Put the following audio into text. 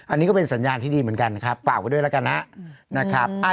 อันนี้ก็เป็นสัญญาณที่ดีเหมือนกันนะครับฝากไว้ด้วยแล้วกันนะครับ